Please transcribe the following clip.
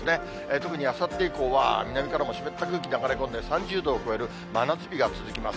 特にあさって以降は南からも湿った空気が流れ込んで、３０度を超える真夏日が続きます。